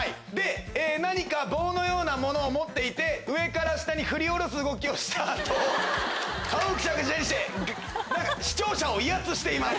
何か棒のようなものを持っていて上から下に振り下ろす動きをした後顔をぐしゃぐしゃにして視聴者を威圧しています